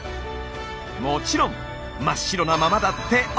もちろん真っ白なままだってＯＫ！